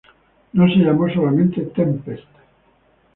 No se llamó solamente "Tempest".